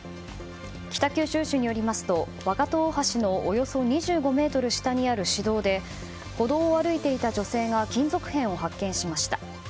北九州市によりますと若戸大橋のおよそ２５ｍ下にある市道で歩道を歩いていた女性が金属片を発見しました。